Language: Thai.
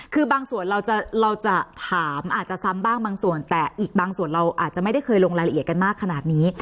คือบางส่วนเราจะถามอาจจะซ้ำบ้างบางส่วนแต่อีกบางส่วนเราอาจจะไม่ได้เคยลงรายละเอียดกันมากขนาดนี้